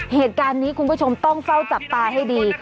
เหตุการณ์นี้คุณผู้ชมต้องเฝ้าจับตาให้ดี